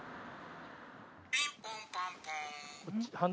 ピンポンパンポン。